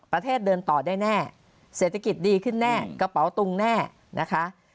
ประเทศเดินต่อได้แน่เศรษฐกิจดีขึ้นแน่กระเป๋าตุงแน่นะคะ